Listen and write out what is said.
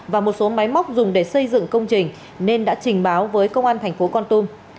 và một số máy móc dùng để xây dựng công trình nên đã trình báo với công an thành phố con tum